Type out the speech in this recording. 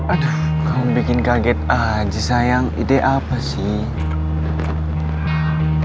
aduh kau bikin kaget aja sayang ide apa sih